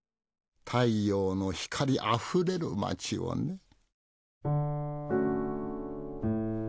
太陽の光あふれる街をね。